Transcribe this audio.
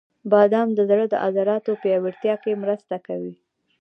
• بادام د زړه د عضلاتو پیاوړتیا کې مرسته کوي.